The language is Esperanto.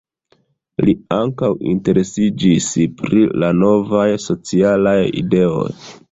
Li ankaŭ interesiĝis pri la novaj socialaj ideoj.